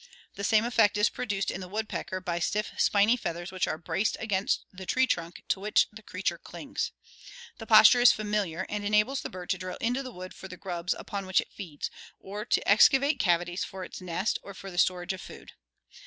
The same effect is produced in the woodpecker by stiff spiny feathers which are braced against the tree trunk to which the creature clings. The posture is familiar, and enables the bird to drill into the wood for the grubs upon which it feeds, or to excavate cavities for its nest or for the storage of food.